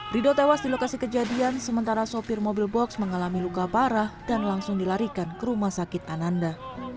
rido tewas di lokasi kejadian sementara sopir mobil box mengalami luka parah dan langsung dilarikan ke rumah sakit ananda